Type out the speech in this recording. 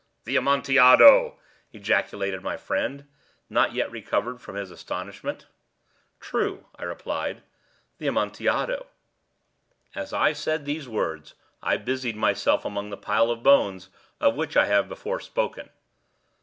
"The Amontillado!" ejaculated my friend, not yet recovered from his astonishment. "True," I replied; "the Amontillado." As I said these words I busied myself among the pile of bones of which I have before spoken.